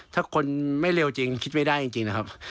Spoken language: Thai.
ถ้าคนไม่เร็วจริงคิดไม่ได้จริงนะครับ